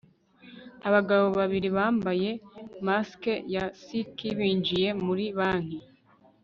abagabo babiri bambaye masike ya ski binjiye muri banki